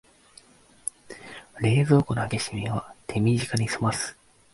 冷蔵庫の開け閉めは手短にすます